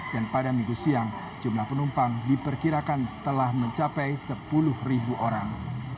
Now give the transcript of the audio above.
dan pada minggu siang jumlah penumpang diperkirakan telah mencapai sepuluh orang